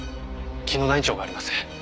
紀野谷町があります。